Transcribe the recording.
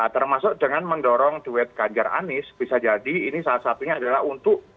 termasuk dengan mendorong duet ganjar anis bisa jadi ini salah satunya adalah untuk